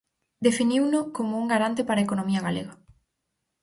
Definiuno como un garante para a economía galega.